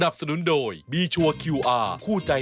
โปรดติดตามตอนต่อไป